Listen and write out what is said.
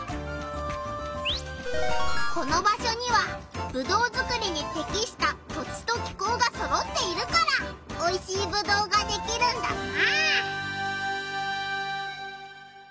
この場所にはぶどうづくりにてきした土地と気候がそろっているからおいしいぶどうができるんだな。